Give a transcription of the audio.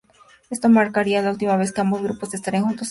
Esto marcaría la última vez que ambos grupos estarían juntos en el ring.